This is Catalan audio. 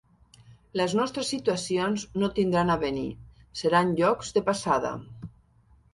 Les nostres situacions no tindran avenir, seran llocs de passada.